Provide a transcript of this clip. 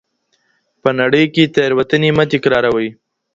په نړۍ کي تېروتنې مه تکراروئ.